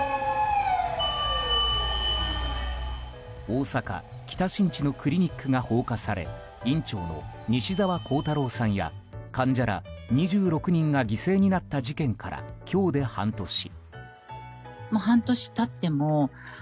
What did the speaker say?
大阪・北新地のクリニックが放火され院長の西澤弘太郎さんや患者ら２６人が犠牲になった事件から、今日で半年。